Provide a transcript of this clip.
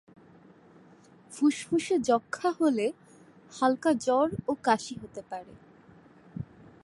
ফুসফুসে যক্ষ্মা হলে হাল্কা জ্বর ও কাশি হতে পারে।